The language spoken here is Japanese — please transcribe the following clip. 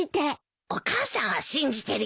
お母さんは信じてるよ。